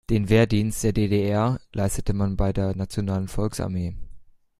Den Wehrdienst der D-D-R leistete man bei der nationalen Volksarmee.